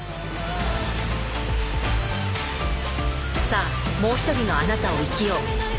さぁもう１人のあなたを生きよう。